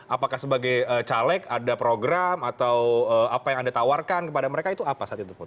apakah sebagai caleg ada program atau apa yang anda tawarkan kepada mereka itu apa saat itu